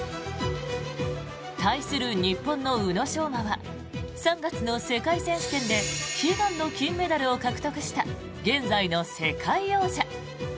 対する日本の宇野昌磨は３月の世界選手権で悲願の金メダルを獲得した現在の世界王者。